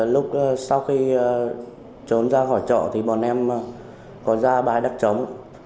lúc sau khi trốn ra khỏi trọ thì bọn em có ra bài đắc chóng